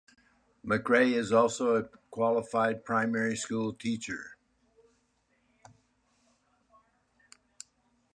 McRae is also a qualified primary school teacher.